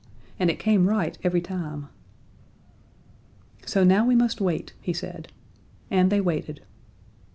And it came right every time. "So now we must wait," said he. And they waited.